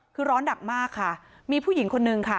คือร้อนหนักมากค่ะมีผู้หญิงคนนึงค่ะ